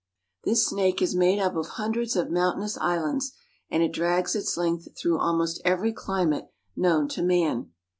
This snake is made up of hundreds of mountainous islands, and it drags its length through almost every climate known to man.